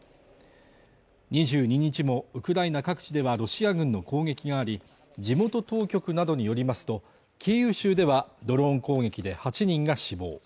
２２日もウクライナ各地ではロシア軍の攻撃があり、地元当局などによりますと、キーウ州ではドローン攻撃で８人が死亡。